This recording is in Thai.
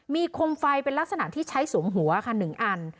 มีคมไฟเป็นลักษณะที่ใช้สวมหัวค่ะ๑อัน